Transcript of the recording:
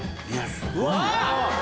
うわ！